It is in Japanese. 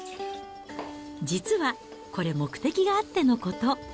実は、これ、目的があってのこと。